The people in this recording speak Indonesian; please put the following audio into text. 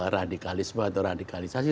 radikalisme atau radikalisasi